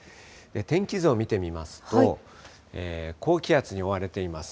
天気図を見てみますと、高気圧に覆われています。